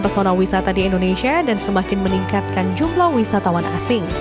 pesona wisata di indonesia dan semakin meningkatkan jumlah wisatawan asing